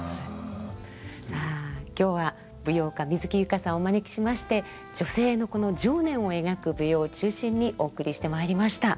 さあ今日は舞踊家水木佑歌さんをお招きしまして女性の情念を描く舞踊を中心にお送りしてまいりました。